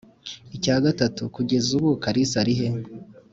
icyagatatu kugezubu kalisa arihe?"